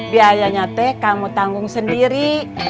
biayanya teh kamu tanggung sendiri